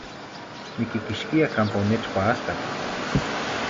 Niquiquixquia campa onechcua ascatl.